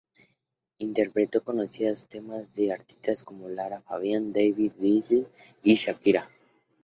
Interpretó conocidos temas de artistas como Lara Fabián, David Bisbal y Shakira.